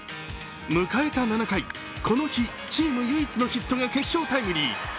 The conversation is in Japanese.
迎えた７回、この日チーム唯一のヒットが決勝タイムリー。